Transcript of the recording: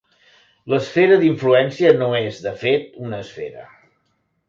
L'esfera d'influència no és, de fet, una esfera.